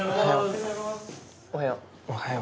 おはよう。